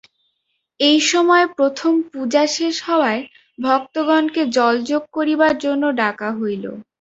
এই সময়ে প্রথম পূজা শেষ হওয়ায় ভক্তগণকে জলযোগ করিবার জন্য ডাকা হইল।